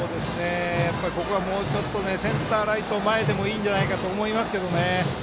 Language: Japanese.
ここは、もうちょっとセンター、ライトちょっと前でもいいんじゃないかと思いますけど。